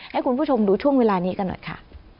ให้คุณผู้ชมดูช่วงเวลานี้กันหน่อยค่ะ